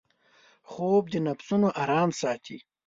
خوب د نفسونـو آرام ساتي